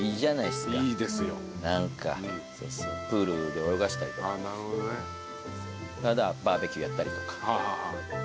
プールで泳がせたりとかバーベキューやったりとか。